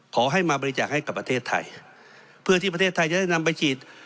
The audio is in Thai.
ขอให้มาบริจาคให้กับประเทศไทยเพื่อที่ประเทศไทยจะได้นำไปฉีด